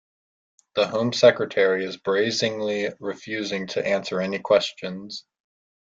The Home Secretary is brazenly refusing to answer any questions